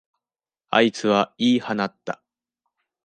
あいつは言い放った。